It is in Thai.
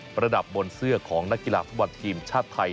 ระดับบนเสื้อของนักกีฬาฟุตบอลทีมชาติไทย